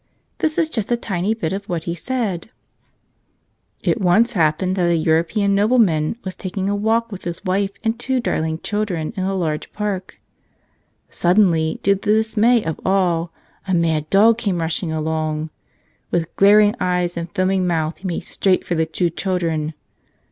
This is just a tiny bit of what he said: "It once happened that a European nobleman was taking a walk with his wife and two darling chil¬ dren in a large park. Suddenly, to the dismay of all, a mad dog came rushing along. With glaring eyes and foaming mouth, he made straight for the two chil¬ dren.